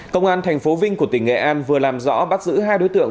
công an thành phố vinh của tỉnh nghệ an vừa làm rõ bắt giữ hai đối tượng